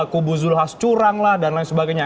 kubu zulhas curang lah dan lain sebagainya